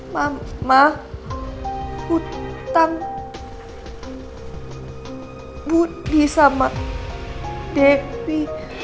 mama hutang budi sama dewi